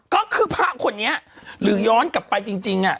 ก็คือภาพคนนี้หรือย้อนกลับไปจริงจริงอ่ะ